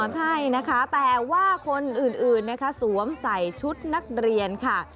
ใช่นะคะแต่ว่าคนอื่นนะคะสวมใส่ชุดนักเรียนค่ะ